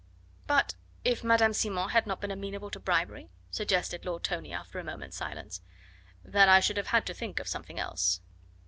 "But if Madame Simon had not been amenable to bribery?" suggested Lord Tony after a moment's silence. "Then I should have had to think of something else."